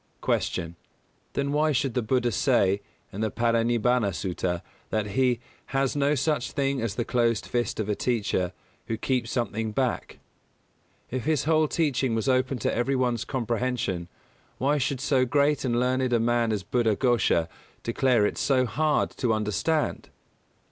254. Q. _Then why should the Buddha say, in the Parinibbāna Sutta, that he "has no such thing as the closed fist of a teacher, who keeps something back"? If his whole teaching was open to every one's comprehension why should so great and learned a man as Buddha Ghosha declare it so hard to understand?